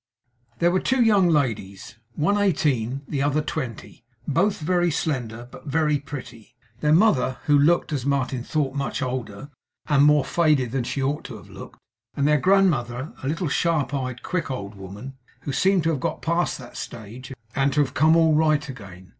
There were two young ladies one eighteen; the other twenty both very slender, but very pretty; their mother, who looked, as Martin thought much older and more faded than she ought to have looked; and their grandmother, a little sharp eyed, quick old woman, who seemed to have got past that stage, and to have come all right again.